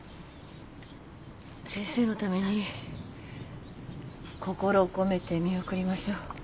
先生のために心を込めて見送りましょう。